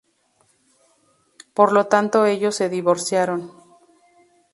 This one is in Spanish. Por lo tanto ellos se divorciaron.